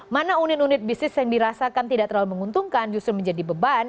mana unit unit bisnis yang dirasakan tidak terlalu menguntungkan justru menjadi beban